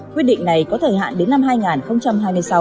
quyết định này có thời hạn đến năm hai nghìn hai mươi sáu